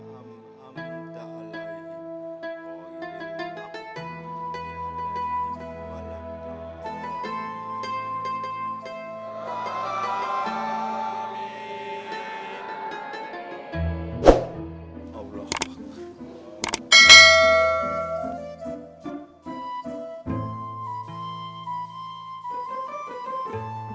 rum ngomong ngomong umi lu kemana sih kok gak kelihatan tanpa raweh